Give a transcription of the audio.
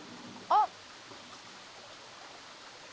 あっ！